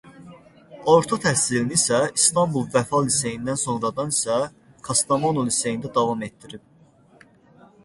Orta təhsilini isə İstanbul Vəfa liseyində sonradan isə Kastamonu Liseyində davam etdirib.